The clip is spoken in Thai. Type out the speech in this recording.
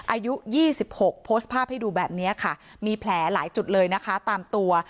อายุ๒๖โพสต์ภาพให้ดูแบบนี้ค่ะมีแผลหลายจุดเลยนะคะตามตัว